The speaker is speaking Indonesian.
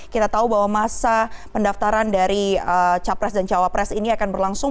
kita tahu bahwa masa pendaftaran dari capres dan cawapres ini akan berlangsung